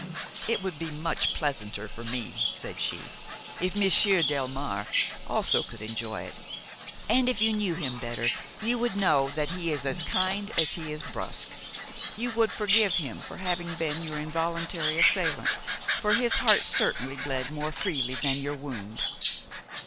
"It would be much pleasanter for me," said she, "if Monsieur Delmare also could enjoy it; and if you knew him better you would know that he is as kind as he is brusque. You would forgive him for having been your involuntary assailant, for his heart certainly bled more freely than your wound."